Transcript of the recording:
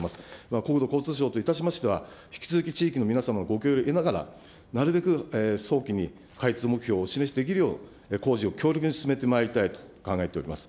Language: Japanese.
国土交通省といたしましては、引き続き地域の皆様のご協力を得ながら、なるべく早期に開通目標をお示しできるよう、工事を強力に進めてまいりたいと考えております。